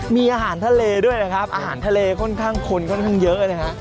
มีอาหารทะเลด้วยนะครับอาหารทะเลค่อนข้างคนค่อนข้างเยอะนะฮะ